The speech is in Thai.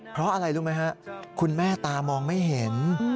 เพราะอะไรรู้ไหมฮะคุณแม่ตามองไม่เห็น